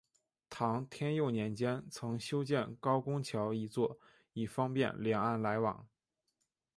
唐天佑年间曾修建高公桥一座以方便两岸来往。